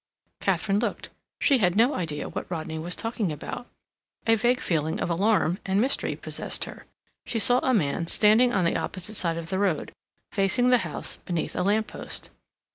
Katharine looked. She had no idea what Rodney was talking about. A vague feeling of alarm and mystery possessed her. She saw a man standing on the opposite side of the road facing the house beneath a lamp post.